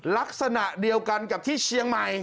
ลักษณะเดียวกันกับที่เชียงใหม่